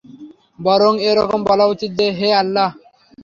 বরং এ রকম বলা উচিত যে, হে আল্লাহ!